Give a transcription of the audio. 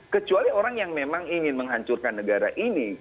kecuali orang yang memang ingin menghancurkan negara ini